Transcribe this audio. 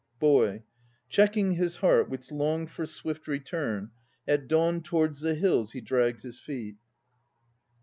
BOY. Checking his heart which longed for swift return At dawn towards the hills he dragged his feet.